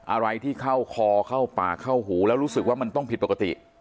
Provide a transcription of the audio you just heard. อะไรที่เข้าคอเข้าปากเข้าหูแล้วรู้สึกว่ามันต้องผิดปกติ